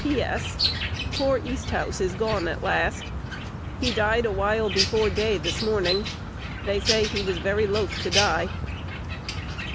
P. S. Poor Easthouse is gone at last. He died a while before day this morning. They say he was very loath to die.